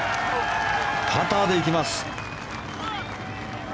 パターで行きます。